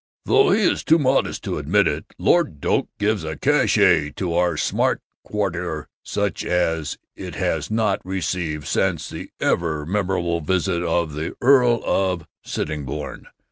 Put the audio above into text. Though he is too modest to admit it, Lord Doak gives a cachet to our smart quartier such as it has not received since the ever memorable visit of the Earl of Sittingbourne.